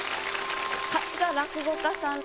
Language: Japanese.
さすが落語家さん。